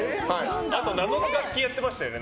あと謎の楽器やってましたよね。